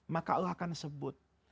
maka allah akan sebut